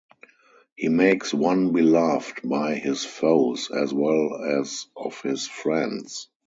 He makes one beloved by his foes as well as of his friends.